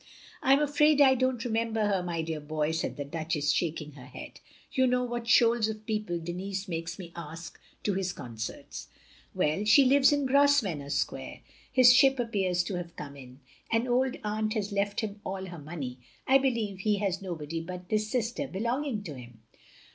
" I 'm afraid I don't remember her, my dear boy," said the Duchess, shaking her head, "you know what shoals of people Denis makes me ask to his concerts. "Well she lives in Grosvenor Square — his ship OF GROSVENOR SQUARE 261 appears to have come in — an old aunt has left him all her money — I believe he has nobody but this one sister belonging to him.